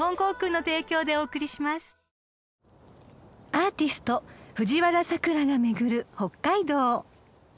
［アーティスト藤原さくらが巡る北海道］